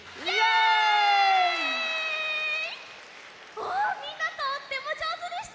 おみんなとってもじょうずでした！